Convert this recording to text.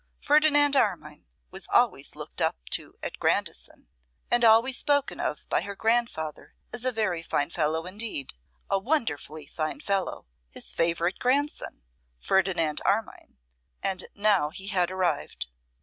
Ferdinand Armine was always looked up to at Grandison, and always spoken of by her grandfather as a very fine fellow indeed; a wonderfully fine fellow, his favourite grandson, Ferdinand Armine: and now he had arrived.